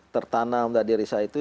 tertanam dari saya itu